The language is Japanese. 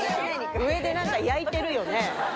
上で何か焼いてるよね？